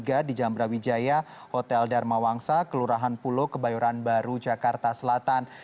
dari jawa wilayah hotel dharmawangsa kelurahan pulo kebayoran baru jakarta selatan